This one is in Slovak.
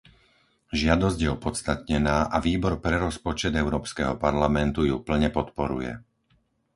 Žiadosť je opodstatnená a Výbor pre rozpočet Európskeho parlamentu ju plne podporuje.